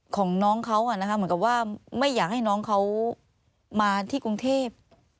ของน้องเขาเหมือนกับว่าไม่อยากให้น้องเขามาที่กรุงเทพ